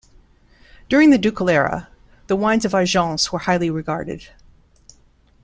During the ducal era the wines of Argences were highly regarded.